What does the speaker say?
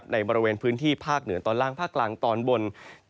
ในบริเวณพื้นที่ภาคเหนือตอนล่างภาคกลางตอนบน